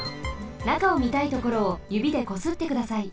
中をみたいところをゆびでこすってください。